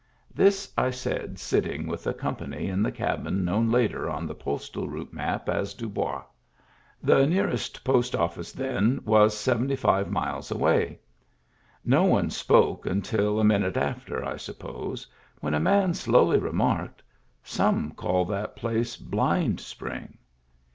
This I said sitting with a company in the cabin known later on the Postal Route map as Dubois. The nearest post office then was seventy five miles away. No one spoke until a minute after, I suppose, when a man slowly remarked :" Some call that place Blind Spring."